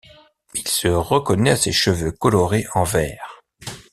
Il se reconnaît à ses cheveux colorés en vert.